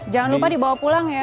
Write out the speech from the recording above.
jangan lupa dibawa pulang ya